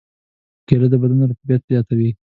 کېله د بدن رطوبت زیاتوي.